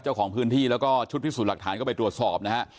เจ้าของพื้นที่แล้วก็ชุดพิสูจน์หลักฐานก็ไปตรวจสอบนะฮะ